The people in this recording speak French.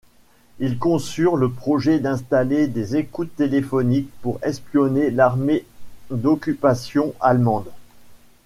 Ils conçurent le projet d'installer des écoutes téléphoniques pour espionner l'armée d'occupation allemande.